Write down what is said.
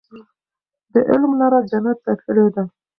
د علم لاره جنت ته تللې ده.